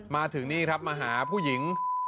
มาถึงนี่ครับมาหาผู้หญิง